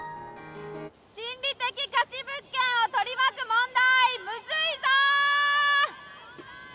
心理的かし物件を取り巻く問題むずいぞ！